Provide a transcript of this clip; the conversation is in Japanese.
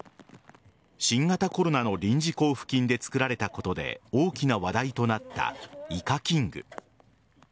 新型コロナの臨時交付金で作られたことで大きな話題となったイカキング。